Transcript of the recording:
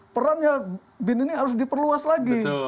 perannya bin ini harus diperluas lagi